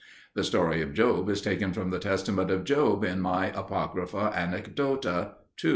The story of Job is taken from The Testament of Job in my Apocrypha Anecdota (ii).